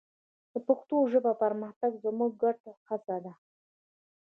د پښتو ژبې پرمختګ زموږ ګډه هڅه ده.